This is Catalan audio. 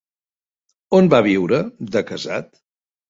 On va viure de casat?